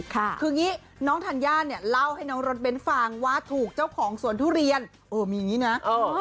คืออย่างนี้น้องธัญญาเนี่ยเล่าให้น้องรถเบ้นฟังว่าถูกเจ้าของสวนทุเรียนเออมีอย่างนี้นะเออ